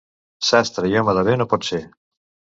Sastre i home de bé no pot ser.